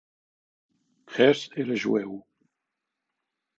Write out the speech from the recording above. Hess era jueu.